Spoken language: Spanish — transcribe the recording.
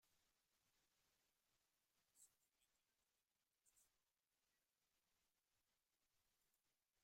El surgimiento de la arquitectura está asociado a la idea de abrigo.